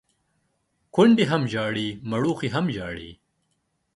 کونډي هم ژاړي ، مړوښې هم ژاړي.